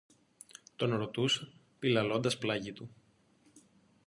τον ρωτούσα, πηλαλώντας πλάγι του.